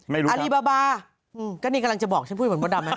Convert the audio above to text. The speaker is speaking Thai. ไม่รู้ครับอลีบาบาอืมก็นี่กำลังจะบอกฉันพูดเหมือนมดดำน่ะ